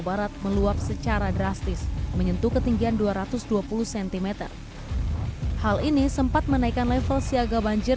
barat meluap secara drastis menyentuh ketinggian dua ratus dua puluh cm hal ini sempat menaikkan level siaga banjir